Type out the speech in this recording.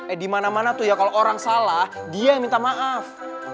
eh di mana mana tuh ya kalau orang salah dia yang minta maaf